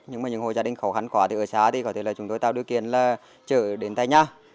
nhưng mà những hồ gia đình khó khăn quá thì ở xa thì có thể là chúng tôi tạo điều kiện là chở đến tay nhá